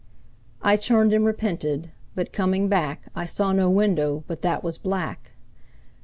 I turned and repented, but coming back I saw no window but that was black.